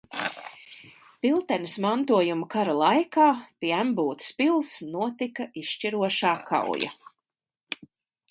Piltenes mantojuma kara laikā pie Embūtes pils notika izšķirošā kauja.